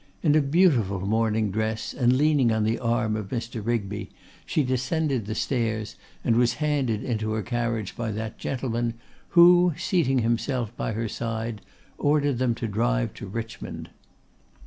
In a beautiful morning dress, and leaning on the arm of Mr. Rigby, she descended the stairs, and was handed into her carriage by that gentleman, who, seating himself by her side, ordered them to drive to Richmond.